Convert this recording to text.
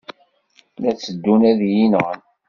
La tteddun ad iyi-nɣen.